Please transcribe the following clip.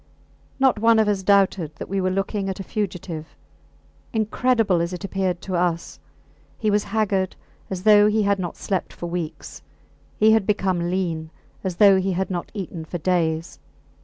Not one of us doubted that we were looking at a fugitive, incredible as it appeared to us. He was haggard, as though he had not slept for weeks; he had become lean, as though he had not eaten for days.